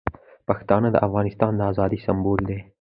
پښتانه د افغانستان د ازادۍ سمبول دي.